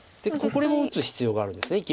これも打つ必要があるんです